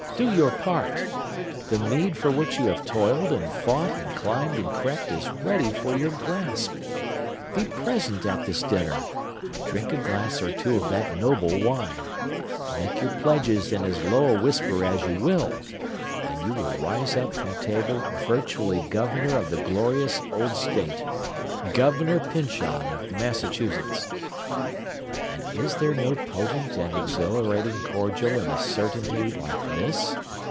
Do your part! The meed for which you have toiled, and fought, and climbed, and crept, is ready for your grasp! Be present at this dinner!—drink a glass or two of that noble wine!—make your pledges in as low a whisper as you will!—and you rise up from table virtually governor of the glorious old State! Governor Pyncheon of Massachusetts! And is there no potent and exhilarating cordial in a certainty like this?